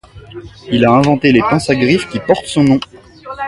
Il a inventé les pinces à griffe qui portent son nom.